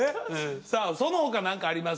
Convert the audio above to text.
さあその他何かあります？